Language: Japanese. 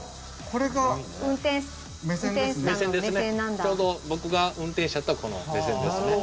ちょうど僕が運転士やったらこの目線ですね。